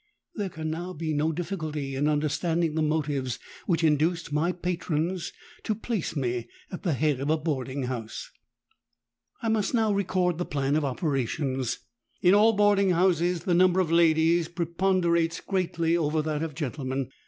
There can now be no difficulty in understanding the motives which induced my patrons to place me at the head of a boarding house. "I must now record the plan of operations. In all boarding houses the number of ladies preponderates greatly over that of gentlemen.